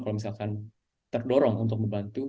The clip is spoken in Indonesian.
kalau misalkan terdorong untuk membantu